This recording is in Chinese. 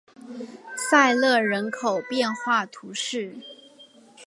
塞勒人口变化图示